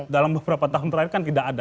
dalam beberapa tahun terakhir kan tidak ada